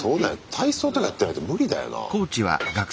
体操とかやってないと無理だよな。